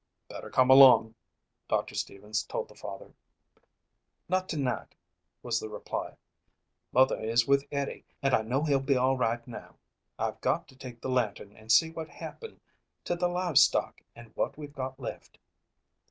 "Better come along," Doctor Stevens told the father. "Not tonight," was the reply. "Mother is with Eddie and I know he'll be all right now. I've got to take the lantern and see what happened to the livestock and what we've got left."